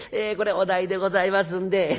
これお代でございますんで。